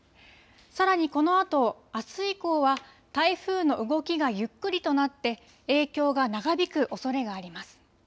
さらにこのあと、あす以降は台風の動きがゆっくりとなって影響が長引くおそれがあります。